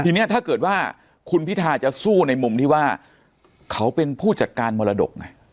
ทีนี้ถ้าเกิดว่าคุณพิทาจะสู้ในมุมที่ว่าเขาเป็นผู้จัดการมรดกไง